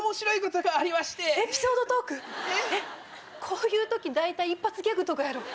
こういう時大体一発ギャグとかやろ。